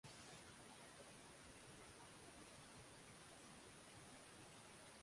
mafuta Ekuador kwa Kiswahili pia Ekwado ni nchi kwenye pwani ya